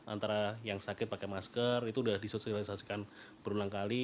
antara yang sakit pakai masker itu sudah disosialisasikan berulang kali